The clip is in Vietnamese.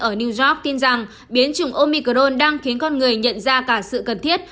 ở new york tin rằng biến chủng omicron đang khiến con người nhận ra cả sự cần thiết